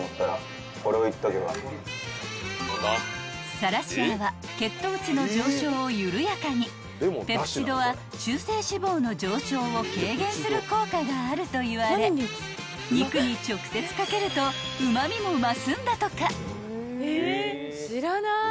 ［サラシアは血糖値の上昇を緩やかにペプチドは中性脂肪の上昇を軽減する効果があるといわれ肉に直接掛けるとうま味も増すんだとか］